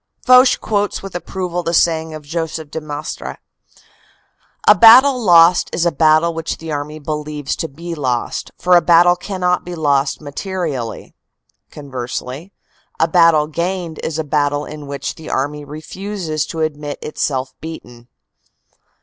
Foch quotes with approval the saying of Joseph de Maistre: "A battle lost is a battle which the army believes to be lost, for a battle cannot be lost materially." Conversely: "A battle gained is a battle in which the army refuses to admit itself beaten."